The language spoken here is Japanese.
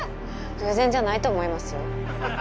偶然じゃないと思いますよ。